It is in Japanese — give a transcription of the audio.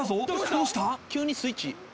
どうした⁉］